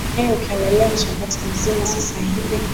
e ukiangalia mchakato mzima sasa hivi